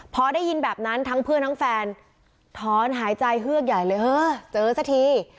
พอได้ยินแบบนั้นทั้งเพื่อนทั้งแฟนถอนหายใจเฮือกใหญ่เลยเฮ้อเจอสักที